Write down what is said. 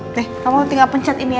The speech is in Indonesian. nih kamu tinggal pencet ini aja